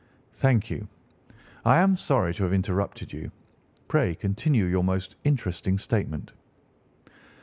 "Thank you. I am sorry to have interrupted you. Pray continue your most interesting statement."